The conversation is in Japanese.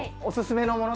おすすめは。